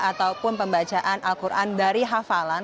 ataupun pembacaan al quran dari hafalan